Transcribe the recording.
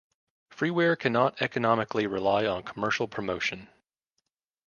Freeware cannot economically rely on commercial promotion.